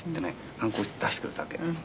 ハンコ押して出してくれたわけ。